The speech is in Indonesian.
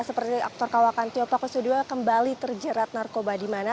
seperti aktor kawakan tio paku studio kembali terjerat narkoba di mana